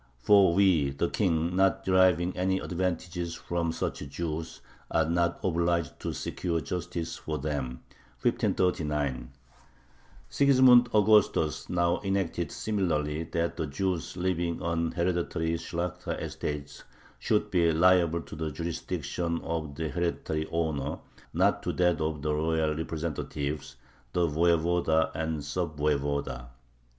For we [the King], not deriving any advantages from such Jews, are not obliged to secure justice for them" (1539). Sigismund Augustus now enacted similarly that the Jews living on hereditary Shlakhta estates should be liable to the jurisdiction of the "hereditary owner," not to that of the royal representatives, the voyevoda and sub voyevoda.